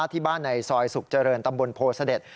ที่บ้านในซอยสุขเจริญตำบลโพเสด็จ